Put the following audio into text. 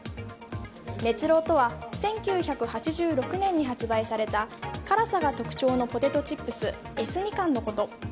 熱浪とは、１９８６年に発売された辛さが特徴のポテトチップスエスニカンのこと。